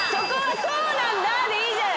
そうなんだでいいじゃん。